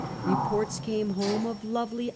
Keports came homo of lovely i.